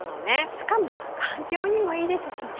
しかも環境にもいいですしね。